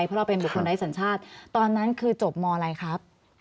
เพราะเราเป็นบุคคลไร้สัญชาติตอนนั้นคือจบมอะไรครับ